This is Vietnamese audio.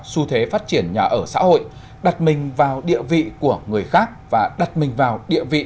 xu thế phát triển nhà ở xã hội đặt mình vào địa vị của người khác và đặt mình vào địa vị